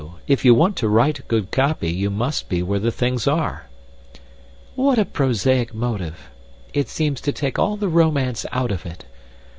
If you want to write good copy, you must be where the things are." "What a prosaic motive! It seems to take all the romance out of it.